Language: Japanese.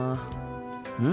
うん？